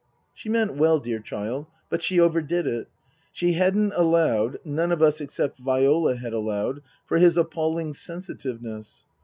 She meant well, dear child. But she overdid it. She hadn't allowed none of us except Viola had allowed for his appalling sensitiveness.